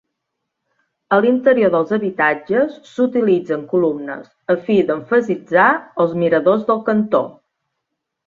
A l'interior dels habitatges, s'utilitzen columnes, a fi d'emfasitzar els miradors del cantó.